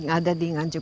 ada di nganjuk